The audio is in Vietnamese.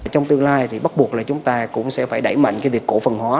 trong tương lai thì bắt buộc là chúng ta cũng sẽ phải đẩy mạnh cái việc cổ phần hóa